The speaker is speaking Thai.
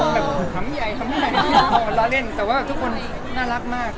แบบถำใหญ่ล้อเล่นแต่ว่าทุกคนน่ารักมาก